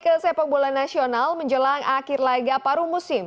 kesepak bola nasional menjelang akhir laiga paru musim